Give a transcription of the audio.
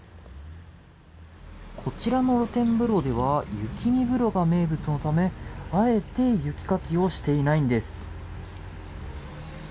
こちらの露天風呂では雪見風呂が名物のためあえて雪かきをしていないんです。